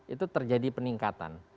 itu terjadi peningkatan